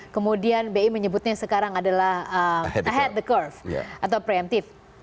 kemudian bi menyebutnya sekarang adalah ahead the curve atau preemptive